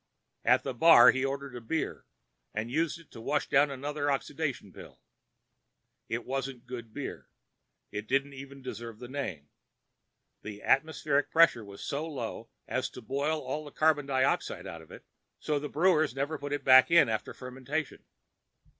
At the bar, he ordered a beer and used it to wash down another oxidation tablet. It wasn't good beer; it didn't even deserve the name. The atmospheric pressure was so low as to boil all the carbon dioxide out of it, so the brewers never put it back in after fermentation.